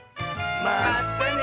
まったね！